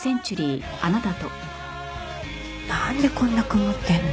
なんでこんな曇ってるの？